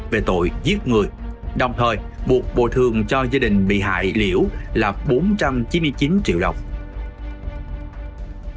về tội giết người của nguyễn văn thuật